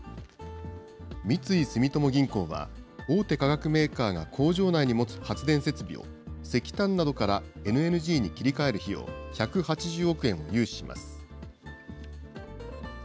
三井住友銀行は、大手化学メーカーが工場内に持つ発電設備を、石炭などからＬＮＧに切り替える費用１８０億円を融資します。